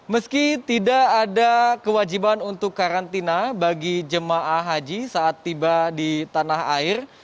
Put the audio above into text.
meski tidak ada kewajiban untuk karantina bagi jemaah haji saat tiba di tanah air